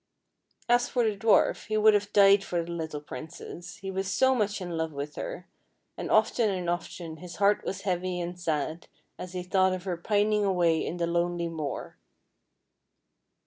As for the dwarf he would have died for the little princess, he was so much in love with her, and often and often his heart was heavy and sad as he thought of her pining away in the lonely moor.